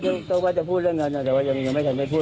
ก็มันก็จะพูดเรื่องเน่าในแต่ว่ายังยังไม่หรือไม่พูด